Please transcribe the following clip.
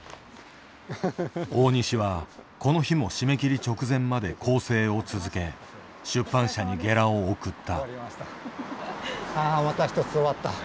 大西はこの日も締め切り直前まで校正を続け出版社にゲラを送った。